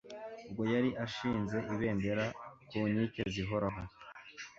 Ubwo yari ashinze ibendera ku nkike zihoraho.